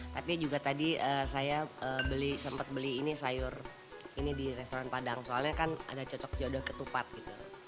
tapi juga tadi saya beli sempat beli ini sayur ini di restoran padang soalnya kan ada cocok jodoh ketupat gitu